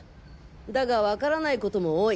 だが分からないことも多い。